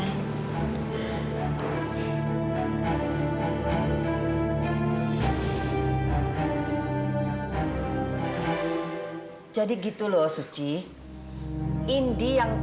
kalau dia menyerlah kalau dia terjenak gitu